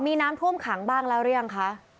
มีน้ำท่วมขังบ้างแล้วหรือยังคะ